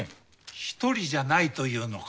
１人じゃないというのか？